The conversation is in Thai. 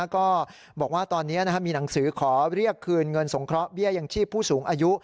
ก็บอกว่าตอนนี้มีหนังสือขอเรียกคืนเงินสงเคราะหเบี้ยยังชีพผู้สูงอายุ